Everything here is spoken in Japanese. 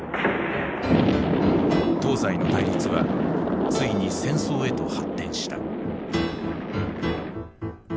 東西の対立はついに戦争へと発展した。